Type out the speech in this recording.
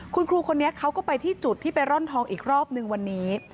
คุณครูคนนี้เขาก็ไปที่จุดที่ไปร่อนทองอีกรอบนึงวันนี้